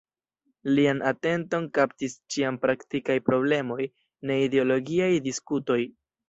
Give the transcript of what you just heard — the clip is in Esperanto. Lian atenton kaptis ĉiam praktikaj problemoj, ne ideologiaj diskutoj.